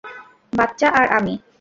বাচ্চা আর আমি?